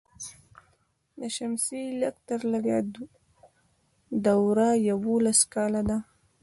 د شمسي لږ تر لږه دوره یوولس کاله ده.